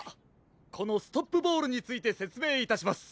このストップボールについてせつめいいたします。